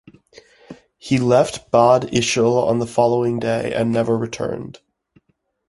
He left Bad Ischl on the following day and never returned.